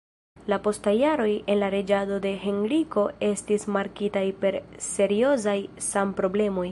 La postaj jaroj en la reĝado de Henriko estis markitaj per seriozaj sanproblemoj.